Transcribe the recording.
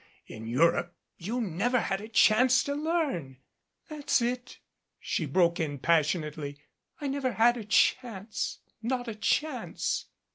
.In Europe you never had a chance to learn " "That's it," she broke in passionately, "I never had a chance not a chance."